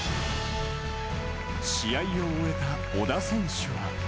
試合を終えた小田選手は。